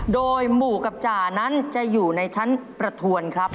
โดยหมู่กับจ่านั้นจะอยู่ในชั้นประทวนครับ